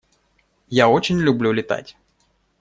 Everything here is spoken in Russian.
Я очень люблю летать.